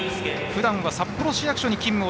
ふだんは札幌市役所に勤務。